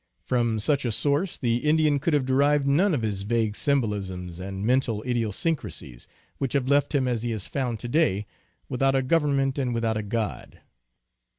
From such a source the Indian INTRODUCTION. 5 could have derived none of his vague symbolisms and mental idiosyncrasies which have left him as he is found to day, without a government and without a god."